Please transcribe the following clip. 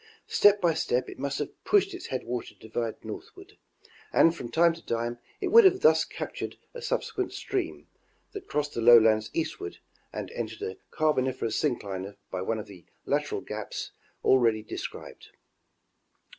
Step by step it must have pushed its headwater divide northward, and from time to time it would have thus captured a subsequent stream, that crossed the lowlands eastward, and entered a Carboniferous syncline by one of the lateral gaps ah eady described.